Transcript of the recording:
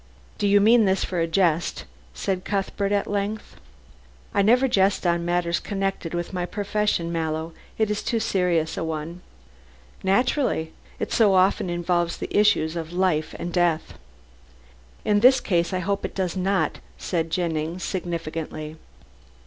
"Do you mean this for a jest?" said Cuthbert at length. "I never jest on matters connected with my profession, Mallow. It is too serious a one." "Naturally. It so often involves the issues of life and death." "In this case I hope it does not," said Jennings, significantly.